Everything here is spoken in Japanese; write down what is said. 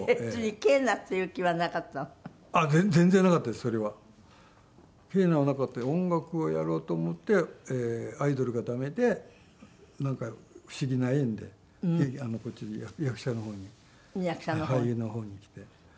ケーナはなくって音楽をやろうと思ってアイドルが駄目でなんか不思議な縁でこっちに役者の方に俳優の方にきて。